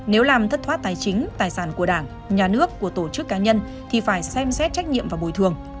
nếu làm thất thoát tài chính tài sản của đảng nhà nước của tổ chức cá nhân thì phải xem xét trách nhiệm và bồi thường